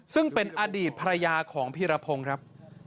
ซึ่งเป็นอดีตภรรยาของพีรพงศ์ครับ